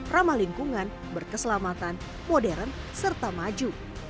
ramah lingkungan berkeselamatan modern serta maju